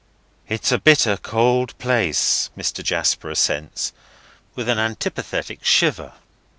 "It is a bitter cold place," Mr. Jasper assents, with an antipathetic shiver.